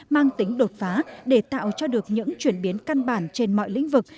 mang tính đột phá để tạo cho được những chuyển biến căn bản trên mọi lĩnh vực